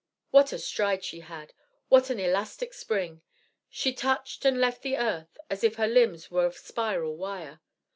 What a stride she had! What an elastic spring! She touched and left the earth as if her limbs were of spiral wire.